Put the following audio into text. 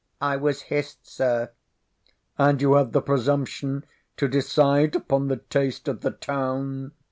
"I was hissed, Sir." "And you have the presumption to decide upon the taste of the town?"